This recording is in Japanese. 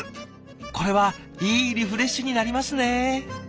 これはいいリフレッシュになりますね。